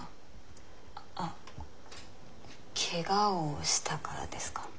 あっけがをしたからですか？